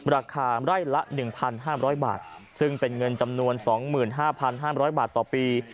ราคาไร่ละหนึ่งพันห้ามร้อยบาทซึ่งเป็นเงินจำนวนสองหมื่นห้าพันห้ามร้อยบาทต่อปี